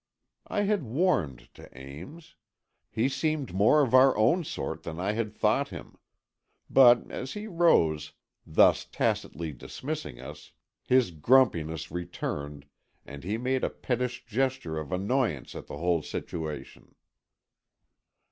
I had warmed to Ames. He seemed more of our own sort than I had thought him. But as he rose, thus tacitly dismissing us, his grumpiness returned, and he made a pettish gesture of annoyance at the whole situation.